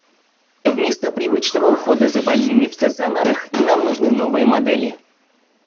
Вместо привычного ухода за больными в стационарах нам нужны новые модели.